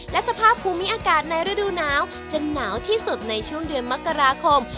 และสภาพภูมิอากาศในฤดูหนาวจะหนาวที่สุดในช่วงเดือนมกราคม